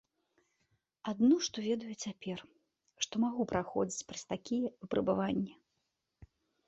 Адно што ведаю цяпер, што магу праходзіць праз такія выпрабаванні.